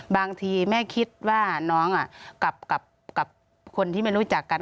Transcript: บางทีแม่คิดว่าน้องกับคนที่ไม่รู้จักกัน